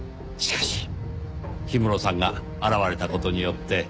しかし氷室さんが現れた事によって。